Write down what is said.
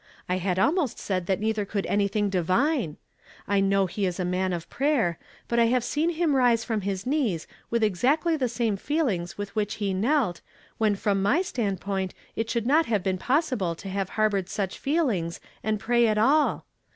I had almost said that neither could anything divine. I know he is a man of prayer ; but I have seen him rise from his knees with ex actly the same feelings with which he knelt, when from my standpoint it would not have been possi ble to have harbored such feelings and pray at all.